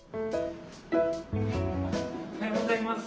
おはようございます。